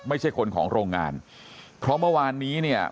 ไม่ใช่คนของโรงงานเพราะเมื่อวานนี้เนี่ย